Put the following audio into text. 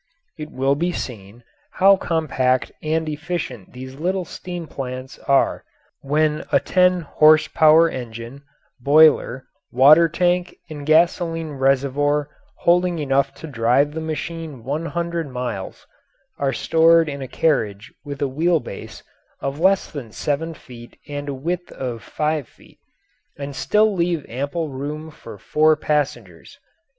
It will be seen how compact and efficient these little steam plants are when a ten horse power engine, boiler, water tank, and gasoline reservoir holding enough to drive the machine one hundred miles, are stored in a carriage with a wheel base of less than seven feet and a width of five feet, and still leave ample room for four passengers.